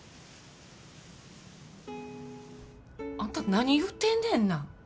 あんた何言うてんねんな。